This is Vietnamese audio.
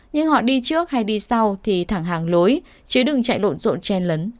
nhưng họ đi trước hay đi sau thì thẳng hàng lối chứ đừng chạy lộn rộn chen lấn